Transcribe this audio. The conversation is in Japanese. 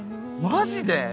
マジで！？